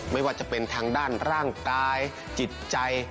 ไม่ว่าจะเป็นทางด้านร่างกายจิตใจ